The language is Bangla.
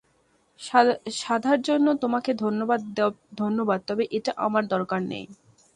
সাধার জন্য তোমাকে ধন্যবাদ তবে এটা আমার দরকার নেই।